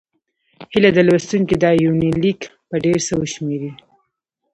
هيله ده لوستونکي دا یونلیک په ډېر څه وشمېري.